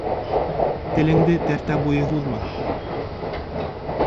Теленде тәртә буйы һуҙма.